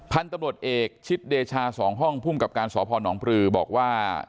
พันธุ์ตำรวจเอกชิดเดชา๒ห้องภูมิกับการสพนปลือบอกว่า